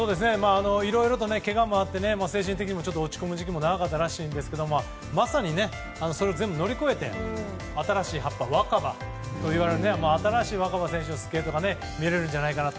いろいろとけがもあって精神的にも、ちょっと落ち込む時期も長かったらしいんですがまさに、それを全部乗り越えて新しい葉っぱ、新葉といわれる新しい新葉選手のスケートが見れるんじゃないかなと。